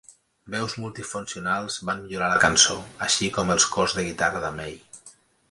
Veus multifuncionals van millorar la cançó, així com els cors de guitarra de May.